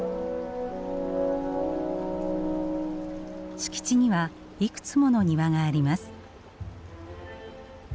敷地にはいくつもの庭があります。